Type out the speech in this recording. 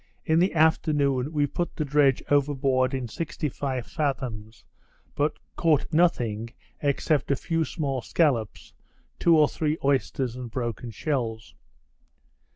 In the afternoon we put the dredge over board in sixty five fathoms; but caught nothing except a few small scallops, two or three oysters, and broken shells.